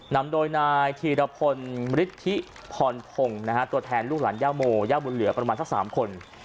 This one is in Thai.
นำโดยนายธีรพลฤทธิพรพงศ์ตัวแทนลูกหลานย่าโมย่าบุญเหลือประมาณสัก๓คน